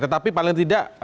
tetapi paling tidak